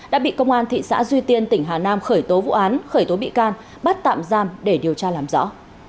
đã bị công an thị xã duy tiên tỉnh hà nam khởi tố vụ án khởi tố bị can bắt tạm giam để điều tra làm rõ